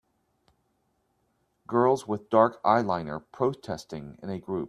Girls with dark eyeliner protesting in a group.